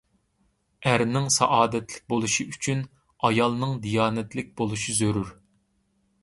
ئەرنىڭ سائادەتلىك بولۇشى ئۈچۈن ئايالنىڭ دىيانەتلىك بولۇشى زۆرۈر.